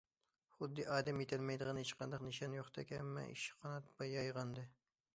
خۇددى ئادەم يېتەلمەيدىغان ھېچقانداق نىشان يوقتەك، ھەممە ئىش قانات يايغانىدى.